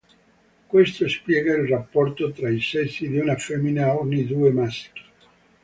Questo spiega il rapporto tra i sessi di una femmina ogni due maschi.